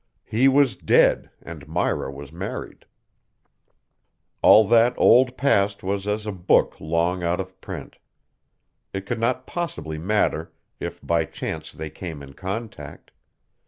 He was dead and Myra was married. All that old past was as a book long out of print. It could not possibly matter if by chance they came in contact.